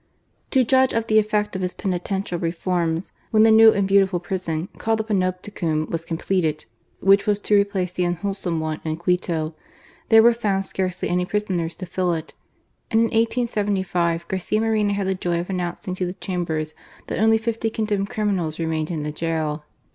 To judge of the effect of his penitential reform^ when the new and beautiftil prison, called the Panopticum, was completed (which was to replace the unwholesome one in Quito), there were found scarcely any prisoners to fill it, and in 1875, Garcia Moreno had the joy of announcing to the Chambers that only fifty condemned criminals remained in gaol.